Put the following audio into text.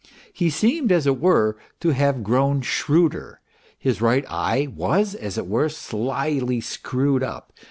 He seemed, as it were, to have grown shrewder, his right eye was, as it were, slyly screwed up.